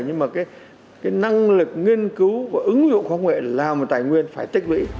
nhưng mà cái năng lực nghiên cứu và ứng dụng công nghệ làm tài nguyên phải tích lũy